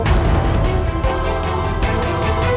tidak ada apa apa